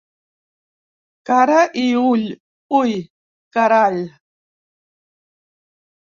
Cara i ull ui, carall!